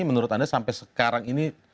menurut anda sampai sekarang ini